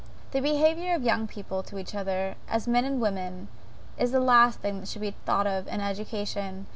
The behaviour of young people, to each other, as men and women, is the last thing that should be thought of in education.